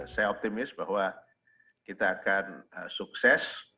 saya optimis bahwa kita akan sukses